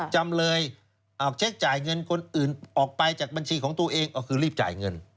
จำเลยเช็คจ่ายเงินคนอื่นออกไปจากบัญชีของตัวเองก็คือรีบจ่ายเงิน